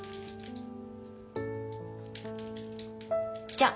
じゃあ。